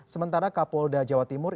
sementara kapolda jawa timur